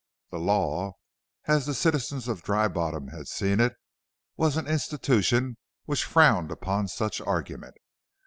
The law, as the citizens of Dry Bottom had seen it, was an institution which frowned upon such argument.